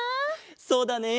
そうだね。